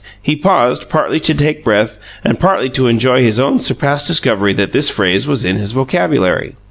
He paused, partly to take breath and partly to enjoy his own surprised discovery that this phrase was in his vocabulary.